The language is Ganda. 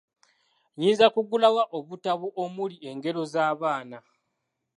Nnyinza kugula wa obutabo omuli engero z'abaana?